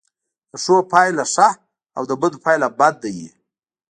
د ښو پایله ښه او د بدو پایله بده وي.